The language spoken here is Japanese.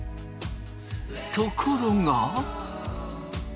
ところが。